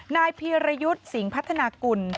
นายพีรยุทธ์สิงห์พัฒนากุล